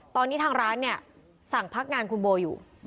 ตอนนี้ทางร้านเนี่ยสั่งพักงานคุณโบอยู่